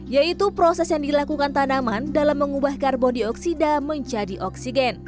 yaitu proses yang dilakukan tanaman dalam mengubah karbon dioksida menjadi oksigen